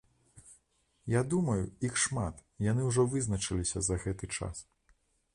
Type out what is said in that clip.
Я думаю, іх шмат, яны ўжо вызначыліся за гэты час.